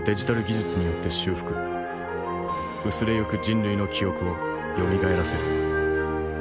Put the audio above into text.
薄れゆく人類の記憶をよみがえらせる。